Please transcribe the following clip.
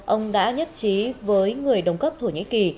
ông đã nhất trí với người đồng cấp thổ nhĩ kỳ